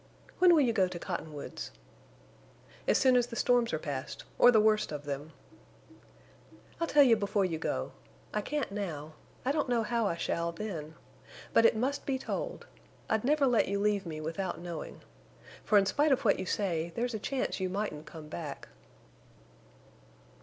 "When will you go to Cottonwoods?" "As soon as the storms are past, or the worst of them." "I'll tell you before you go. I can't now. I don't know how I shall then. But it must be told. I'd never let you leave me without knowing. For in spite of what you say there's a chance you mightn't come back."